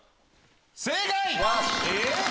正解！